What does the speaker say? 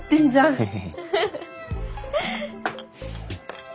ヘヘヘ。